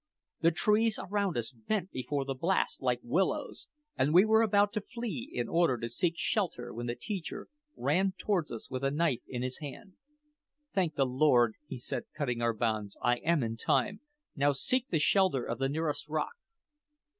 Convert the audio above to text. The trees around us bent before the blast like willows, and we were about to flee in order to seek shelter when the teacher ran toward us with a knife in his hand. "Thank the Lord," he said, cutting our bonds, "I am in time! Now, seek the shelter of the nearest rock."